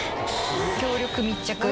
強力密着。